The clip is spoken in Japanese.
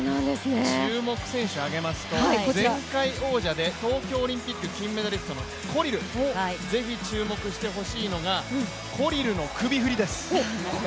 注目選手を挙げますと、前回王者で東京オリンピック金メダリストのコリル、ぜひ注目してほしいのが、コリルの首振りです。